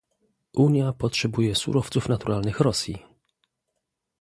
Unia potrzebuje surowców naturalnych Rosji